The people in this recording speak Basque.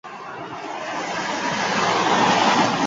Gariaren familiako zereala da, eta garagarrarekin estuki lotua dago.